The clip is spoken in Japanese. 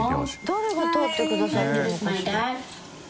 誰が撮ってくださってるのかしら？